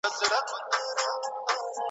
چي لګیا یې دي ملګري په غومبرو .